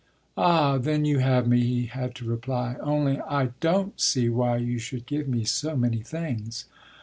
"Ah then you have me," he had to reply. "Only I don't see why you should give me so many things."